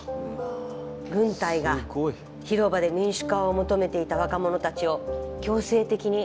軍隊が広場で民主化を求めていた若者たちを強制的に排除しました。